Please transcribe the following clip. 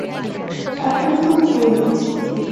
আপনি খুব কুইট!